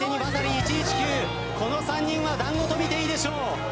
この３人はだんごと見ていいでしょう。